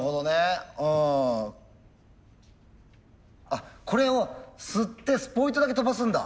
あこれを吸ってスポイトだけ飛ばすんだ。